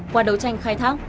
qua đấu tranh khai thác